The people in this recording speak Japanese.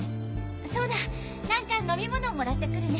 そうだ何か飲み物をもらって来るね。